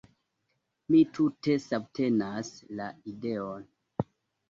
Mi tute subtenas la ideon.